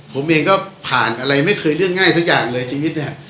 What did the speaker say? ผมเองก็ผ่านอะไรไม่เคยเรื่องง่ายสักอย่างเลยชีวิตเนี่ย